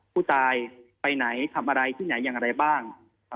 ผู้ตายไปไหนทำอะไรที่ไหนอย่างไรบ้าง